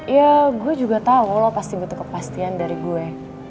ya gue juga tau lo pasti butuh kepastian dari gue